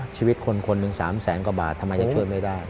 ชีวิตคนคนหนึ่ง๓แสนกว่าบาททำไมยังช่วยไม่ได้